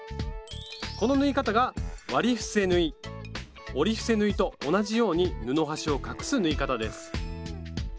この縫い方が折り伏せ縫いと同じように布端を隠す縫い方です。